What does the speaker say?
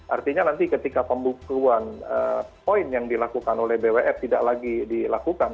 artinya nanti ketika pembukuan poin yang dilakukan oleh bwf tidak lagi dilakukan